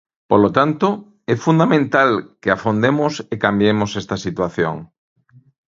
Polo tanto, é fundamental que afondemos e cambiemos esta situación.